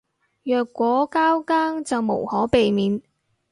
若果交更就無可避免